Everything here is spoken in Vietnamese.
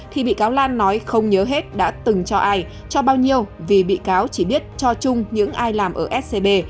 thì bị cáo lan nói không nhớ hết đã từng cho ai cho bao nhiêu vì bị cáo chỉ biết cho chung những ai làm ở scb